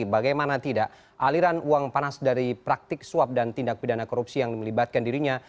bagaimana tidak aliran uang panas dari praktik suap dan tindak pidana korupsi yang melibatkan dirinya